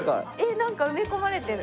なんか埋め込まれてる。